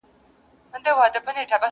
o هغه خپل درد پټوي او له چا سره نه شريکوي,